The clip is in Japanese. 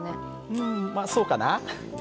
うんまあそうかな。